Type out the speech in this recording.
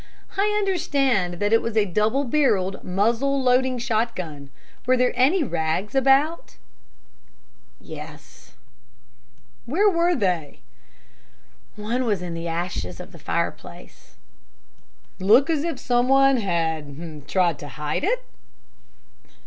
"I understand that it was a double barreled, muzzle loading shotgun. Were there any rags about?" "Yes." "Where were they?" "One was in the ashes of the fireplace." "Look as if some one had tried to hide it?"